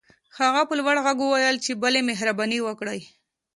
هغه په لوړ غږ وويل چې بلې مهرباني وکړئ.